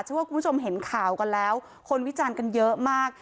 ว่าคุณผู้ชมเห็นข่าวกันแล้วคนวิจารณ์กันเยอะมาก